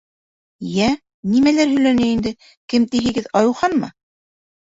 — Йә, нимәләр һөйләне инде, кем тиһегеҙ, Айыуханмы?